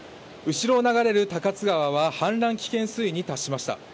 後ろを流れる高津川は氾濫危険水位に達しました。